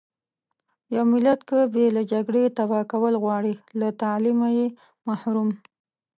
يو ملت که بې له جګړې تبا کول غواړٸ له تعليمه يې محروم .